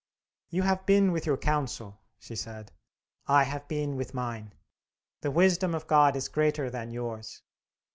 "You have been with your council," she said, "I have been with mine. The wisdom of God is greater than yours.